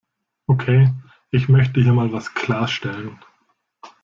Okay, ich möchte hier mal was klarstellen.